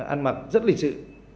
ăn mặc rất lịch sự